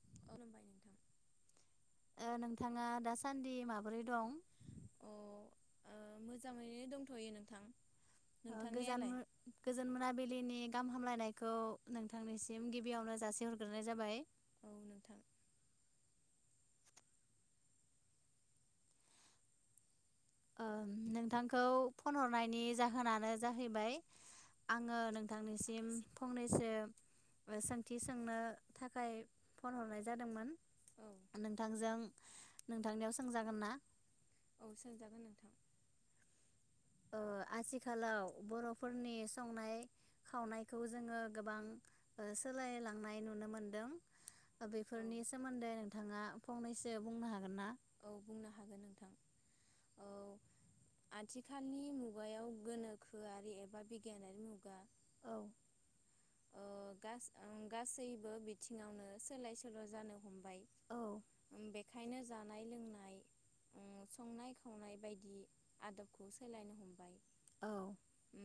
[unintelligible] नोंथां ओ नोंथांङा दासान्दि माबोरै दं? अ ओ मोजांङैनो दंथयो नोंथां। ओ गोजान नोंथांनियालाय? मो गोजोन मोनाबिलिनि गाहाम हामलायनायखौ नोंथांनिसिम गिबियावनो जासिहरग्रोनाय जाबाय। औ नोंथां ओ नोंथांखौ फन हरनायनि जाहोनानो जाहैबाय आंङो नोंथांनिसिम फंनैसो ओ सोंथि सोंनो थाखाय फन हरनाय जादोंमोन औ नोंथांजों नोंथांनियाव सोंजागोन ना? औ सोंजा ओ आथिखालाव बरफोरनि संनाय खावनायखौ जोंङो गोबां ओ सोलायलांनाय नुनो मोनदों औ बेफोरनि सोमोन्दै नोंथांङा फंनैसो बुंनो हागोन ना? औ बुंनो हागोन नोंथां औ आथिखालनि मुगायाव गोनोखोआरि एबा बिगियानारि मुगा औ ओ गास ओ गासैबो बिथिंङावनो सोलाय सोल' जानो हमबाय। औ उम बेखायनो जानाय लोंनाय ओ संनाय खावनाय बायदि आदबखौ सोलायनो हमबाय। औ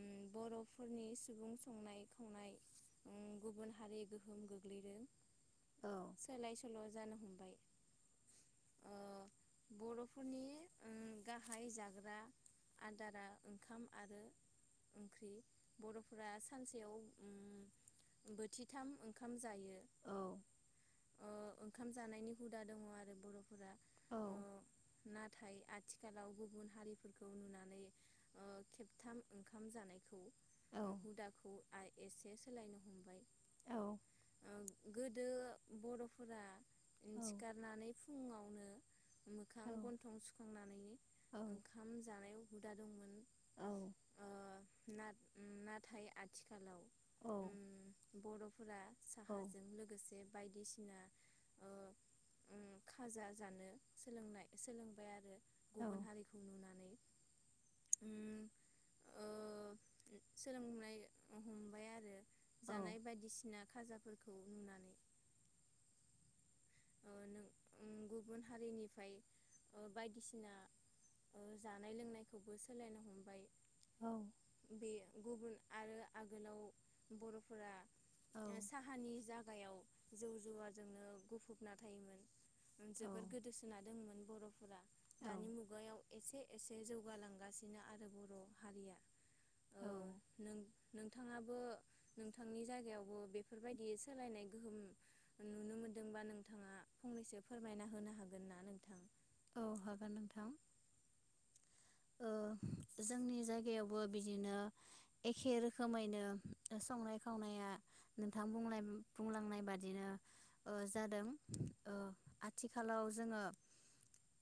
उम बरफोरनि सुबुं संनाय खावनाय। उम गुबुन हारि गोहोम गोग्लैदों। औ सोलाय सल' जानो हमबाय ओ बरफोरनि उम गाहाय जाग्रा आदारा ओंखाम आरो ओंख्रि बरफोरा सानसेयाव उम बोथिथाम ओंखाम जायो। औ ओ ओंखाम जानायनि हुदा दङ आरो बर'फोरा। औ अ नाथाय आथिखालाव गुबुन हारिफोरखौ नुनानै ओ खेबथाम ओंखाम जानायखौ औ उम हुदाखौ आय एसेस सोलायनो हमबाय। ओ गोदो बरफोरा औ सिखारनानै फुङाव मोखां गन्थं सुखांनानै औ ओंखाम जानायाव हुदा दंमोन। ना-नाथाय आथिखालाव उम बरफोरा औ साहाजों लोगोसे बायदिसिना ओ उम खाजा जानो सोलोंनाय सोलोंबाय आरो। गुबुन हारिखौ नुनानै। उम ओ सोलोंनाय हमबाय आरो जानाय बायदिसिना खाजाफोरखौ नुनानै। ओ नों गुबुन हारिनिफ्राय ओ बायदिसिना जानाय लोंनायखौबो सोलायनो हमबाय। औ। बे गुबुन आरो आगोलाव बरफोरा ओ साहानि जाग गायाव जौ जुवाजोंनो गुफुब नाथायोमोन। ओ औ जोबोद गोदोसोना दंमोन। बरफोरा दानि मुगायाव एसे एसे जौगालांगासिनो आरो बर हारिया औ ओ नों नोंथाङाबो नोंथांनि जायगायावबो बेफोरबायदि सोलायनाय गोहोम नुनो मोनदोंबा नों नोंथाङा फंनैसो फोरमायना होनो हागोन ना नोंथां? औ हागोन नोंथां। ओ जोंनि जायगायावबो बिदिनो एखे रोखोमैनो संनाय खावनाया नोंथां बुंनाय बुंलांनाय बादिनो ओ जादों ओ आथिखालाव जोङो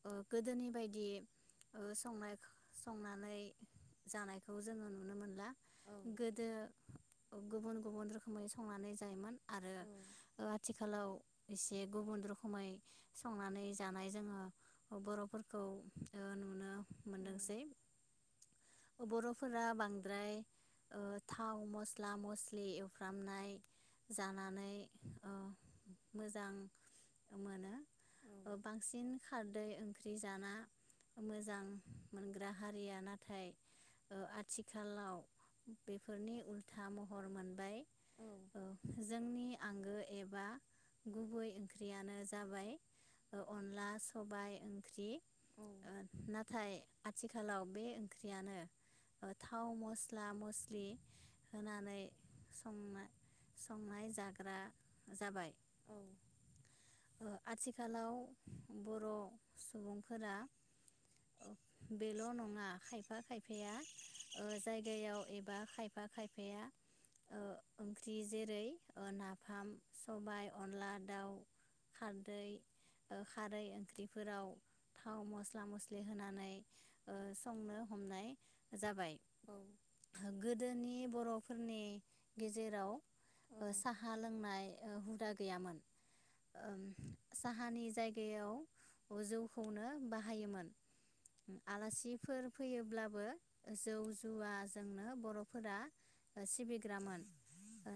ओ गोदोनि बायदि ओ संनाय संनानै जानायखौ जोङो नुनो मोनला औ गोदो गुबुन गुबुन रोखोमै संनानै जायोमोन आरो औ आथिखालाव एसे गुबुन रोखोमै संनानै जानाय जोङो बरफोरखौ ओ नुनो मोनदोंसै बरफोरा बांद्राय ओ थाव मस्ला मस्लि एवफ्रामनाय जानानै ओ मोजां मोनो औ बांसिन खारदै ओंख्रि जाना मोजां मोनग्रा हारिया नाथाय ओ आथिखालाव बेफोरनि उल्था महर मोनबाय औ ओ जोंनि आंगो एबा गुबै ओंख्रियानो जाबाय ओ अनला सबाय ओंख्रि। ओ नाथा नाथाय आथिखालाव बे ओंख्रियानो थाव मस्ला मस्लि होनानै संना संनाय जाग्रा जाबाय। औ ओ आथिखालाव बर सुबुंफोरा बेल नङा खायफा खायफाया ओ जायगायाव एबा खायफा खायफाया ओ ओंख्रि जेरै नाफाम सबाय अनला दाउ खारदै ओ खारै ओंख्रिफोराव थाव मस्ला मस्लि खस्लिहोनानै संनो हमनाय जाबाय। औ गोद गोदोनि बरफोरनि औ गेजेराव साहा लोंनाय हुदा गैयामोन ओम साहानि जायगायाव जौखौनो बाहायोमोन। आलासिफोर फैयोब्लाबो जौ जुवाजोंनो बर'फोरा सिबिग्रामोन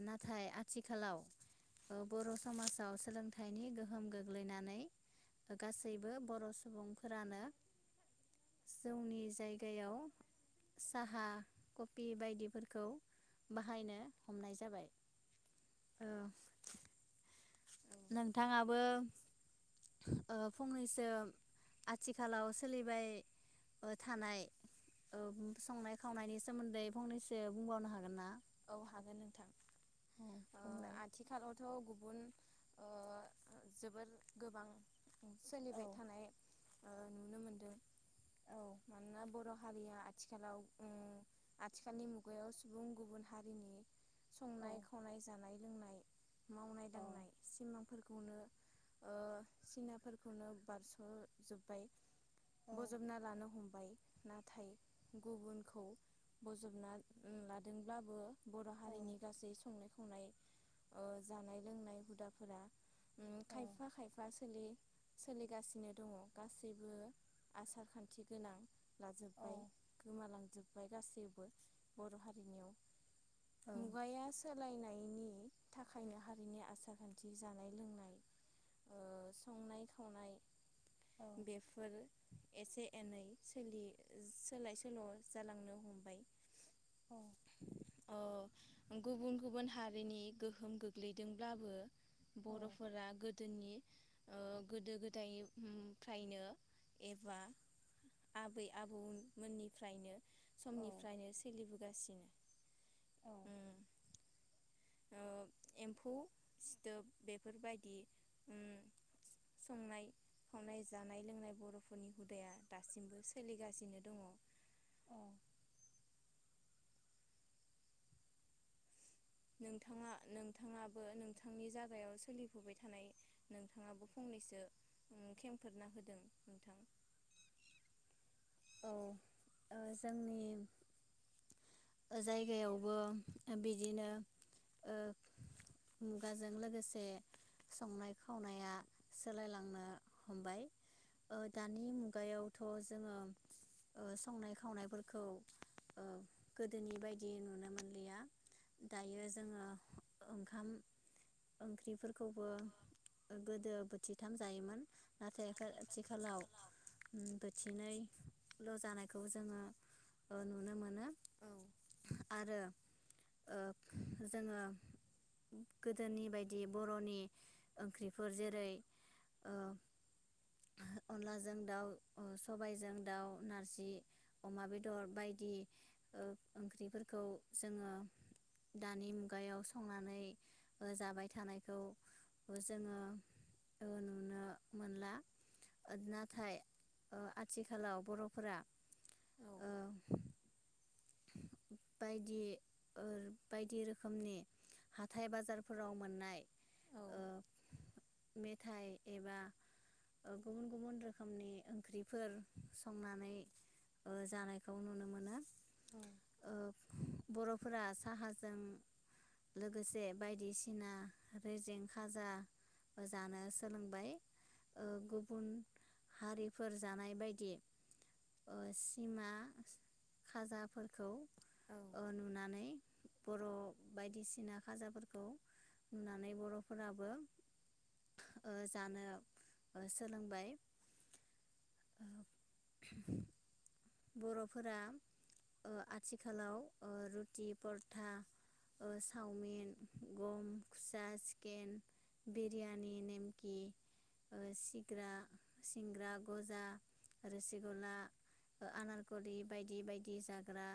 नाथाय आथिखालाव बर' समाजाव सोलोंथाइनि गोहोम गोग्लैनानै गासैबो बर' सुबुंफोरानो जोंनि जायगायाव साहा कफि बायदिफोरखौ बाहायनो हमनाय जाबाय। नोंथाङाबो ओ फंनैसो आथिखालाव सोलिबाय थानाय ओ संनाय खावनायनि सोमोन्दै फंनैसो बुंबावनो हागोन ना? औ हागोन नोंथां। औ बुंलाय आथिखालावथ' ओ जोबोर गोबां औ सोलिबाय थानाय ओ नुनो मोनदों औ मानोना बर' हारिया आथिखालाव उम आथिखालनि मुगायाव सुबुं गुबुन हारिनि औ संनाय खावनाय जानाय लोंनाय मावनाय दांनाय औ सिमांफोरखौ खौनो ओ सिनाफोरखौनो बारस'जोब्बाय औ बजबना लानो हम बाय नाथाय गुबुनखौ बजबना लादों अब्लाबो बर' औ हारिनि गासै संनाय संनाय ओ जानाय लोंनाय हुदाफोरा उम खायफा खायफा सोलि सोलिगासिनो दङ गासैबो आसार खान्थि गोनां औ ओ लाजोबबाय गोमालांजोब फ्राय गासैबो बर' हारिनियाव मुगाया सोलाय नायनि थाखायनो हारिनि आसार खान्थि जानाय लोंनाय ओ संनाय खावनाय बेफोर एसे एनै सोलि सोलाय सोल' जालांनो हमबाय औ अ गुबुन गुबुन हारिनि गोहोम गोग्लैदोंब्लाबो बर'फोरा गोदोनि ओ गोदो गोदाय उम फ्रायनो एबा आबै आबौमोननिफ्रायनो समनिफ्रायनो सोलिबोगासिनो औ उम एम्फौ सिथोब बेफोरबायदि उम संनाय खावनाय जानाय लोंनाय बर'फोरनि हुदाया दासिमबो सोलिगासिनो दङ। नोंथाङा नोंथाङाबो नोंथांनि जागायाव सोलिफुबाय थानाय नोंथाङाबो फंनैसो ओम खेंफोरना होदों नोंथां। औ ओ जोंनि जायगायावबो बिदिनो ओ मुगाजों लोगोसे संनाय खावनाया सोलायलांनो हमबाय दानि ओ मुगायावथ' जोङो संनाय खावनायफोरखौ ओ गोदोनि बायदि नुनो मोनलिया दायो जोङो ओंखाम ओंख्रिफोरखौबो गोदो बोथिथाम जायोमोन नाथाय आथिखालाव उम बोथिनै ल' जानायखौ जोङो ओ नुनो मोनो। औ आरो ओ जोङो गोदोनि बायदि बर'नि ओंख्रिफोर जेरै अनलाजों ओ दाउ सबायजों दाउ नारजि अमा बेदर बायदि ओ ओंख्रिफोरखौ जोङो दानि मुगायाव संनानै ओ जाबाय थानायखौ जोङो ओ नुनो मोनला ओ नाथाय ओ आथिखालाव बर फोरा नोंथां। औ बायदि ओ बायदि रोखोमनि हाथाय बाजारफोराव मोननाय औ ओ मेथाय एबा ओ गुबुन गुबुन रोखोमनि ओंख्रिफोर संनानै ओ जानायखौ नुनो मोनो ओ बरफोरा साहाजों लोगोसे बायदिसिना रेजें खाजा जानो सोलोंबाय ओ गुबुन हारिफोर जानाय बायदि सिमा खाजा फोरखौ औ ओ नुनानै बर बायदिसिना खाजाफोरखौ नुनानै बरफोराबो ओ जानो ओ सोलोंबाय बरफोरा ओ आथिखालाव ओ रुटि परथा ओ चावमिन गम खुसा सिकेन बिरियानि नेमकि ओ सिग्रा सिंग्रा गजा रोसिगला ओ आनारकलि बायदि बायदि जाग्रा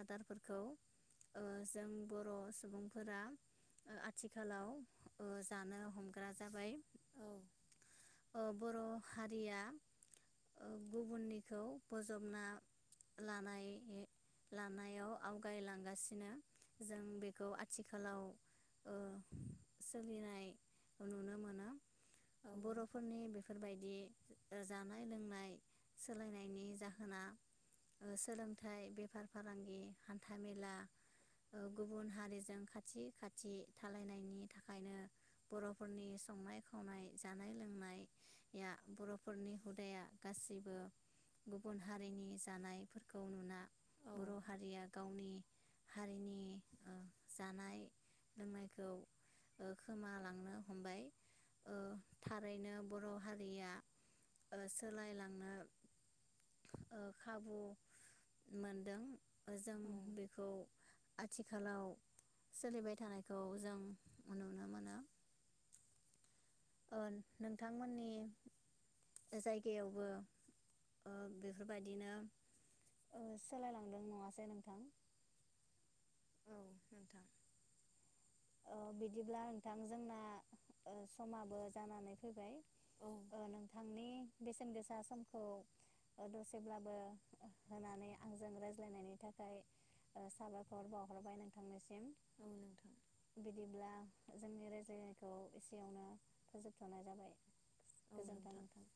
आदारफोरखौ ओ जों बर सुबुंफोरा ओ आथिखालाव ओ जानो हमग्रा जाबाय औ ओ बर हारिया ओ गुबुननिखौ बजबना लानाय लानायाव आवगायलांगासिनो जों बेखौ आथिखालाव ओ सोलिनाय नुनो मोनो नोंथां। बरफोरनि बेफोरबायदि ओ जानाय लोंनाय सोलायनायनि जाहोना ओ सोलोंथाइ बेफार फालांगि हान्थामेला ओ गुबुन हारिजों खाथि खाथि थालायनायनि थाखायनो बरफोरनि संनाय खावनाय जानाय लोंनाया बरफोरनि हुदाया गासिबो गुबुन हारिनि जानायफोरखौ नुना बर हारिया गावनि हारिनि ओ जानाय लोंनायखौ ओ खोमालांनो हमबाय ओ थारैनो बर हारिया ओ सोलायलांनो ओ खाबु मोनदों जों बेखौ आथिखालाव सोलिबाय थानायखौ जों नुनो मोनो ओ नोंथांमोननि जायगायावबो ओ बेफोरबायदिनो ओ सोलायलांदों नङासै नोंथां औ नोंथां अ बिदिब्ला नोंथां जोंना ओ समाबो जानानै फैबाय औ ओ नोंथांनि बेसेन गोसा समखौ ओ दसेब्लाबो होनानै आंजों रायज्लायनायनि थाखाय ओ साबायखर बाउहरबाय नोंथांनिसिम औ नोंथां बिदिब्ला जोंनि रायज्लायनायखौ एसेयावनो फोजोबथनाय जाबाय गोजोनथों नोंथां